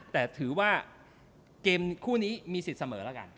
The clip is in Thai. แต่ถือว่าเกมคู่นี้มีสิทธิ์เสมอแล้วกัน